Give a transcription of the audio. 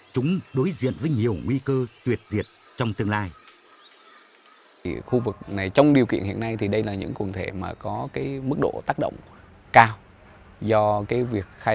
chúng đối diện với nhiều nguy cơ tuyệt diệt trong tương lai